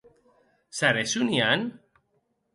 Serè soniant?